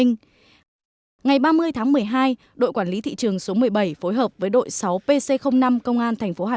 ngày ba mươi tháng một mươi hai đội quản lý thị trường số một mươi bảy phối hợp với đội sáu pc năm công an tp hcm